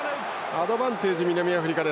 アドバンテージ、南アフリカ。